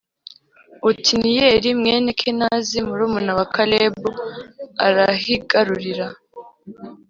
otiniyeli+ mwene kenazi,+ murumuna wa kalebu,+ arahigarurira,